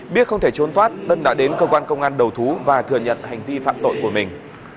biết không thể trốn thoát tân đã đến cơ quan công an đầu thú và thừa nhận hành vi phạm tội của mình